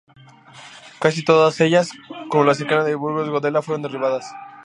Casi todas ellas, como la cercana de Burjasot-Godella fueron derribadas.